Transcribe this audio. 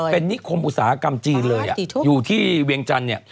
เป็นนิคมอุตสาหกรรมจีนเลยอยู่ที่เวียงจันทร์เนี่ย